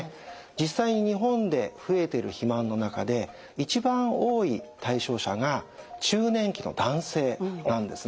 実際に日本で増えてる肥満の中で一番多い対象者が中年期の男性なんですね。